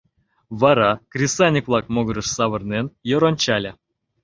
Вара, кресаньык-влак могырыш савырнен, йыр ончале.